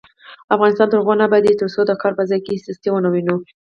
افغانستان تر هغو نه ابادیږي، ترڅو د کار په ځای کې سستي ونه وینو.